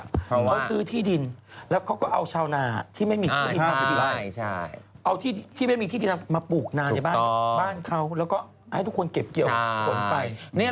เขาซื้อที่ดินแล้วเขาก็เอาชาวนาที่ไม่มีที่ดินทางสุดยอด